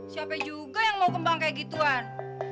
siapa juga yang mau kembang kayak gituan